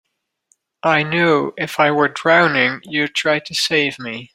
I knew if I were drowning you'd try to save me.